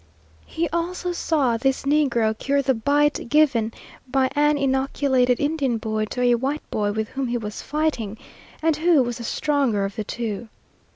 He also saw this negro cure the bite given by an inoculated Indian boy to a white boy with whom he was fighting, and who was the stronger of the two.